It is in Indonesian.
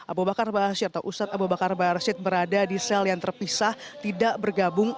abu bakar ba'asyir atau ustadz abu bakar ba'asyir berada di sel yang terpisah tidak bergabung